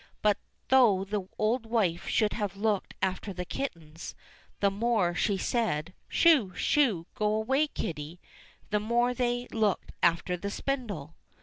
But though the old wife should have looked after the kittens, the more she said, "Sho ! Sho ! Go away, kitty !" the more they looked after the spindle